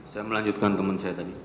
saya melanjutkan teman saya tadi